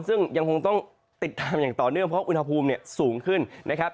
ซึ่งยังคงต้องติดตามอย่างต่อเนื่องเพราะอุณหภูมิเนี่ยสูงขึ้นนะครับ